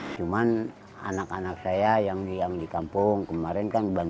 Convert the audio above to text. cuman anak anak saya yang di kampung kemarin kan bantuan